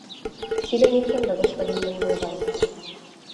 Тидым ит мондо, господин Менгылбай!